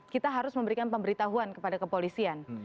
kita harus memberikan pemberitahuan kepada kepolisian